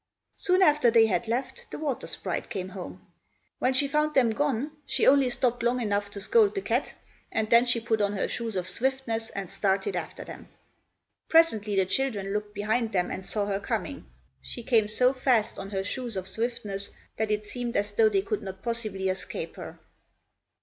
Soon after they had left, the water sprite came home. When she found them gone she only stopped long enough to scold the cat, and then she put on her shoes of swiftness and started after them. Presently the children looked behind them and saw her coming. She came so fast on her shoes of swiftness, that it seemed as though they could not possibly escape her.